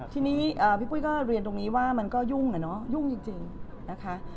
ทีนี้พี่ปุ้ยก็เรียนตรงนี้ว่ามันก็ยุ่งอะเนาะยุ่งจริงนะคะ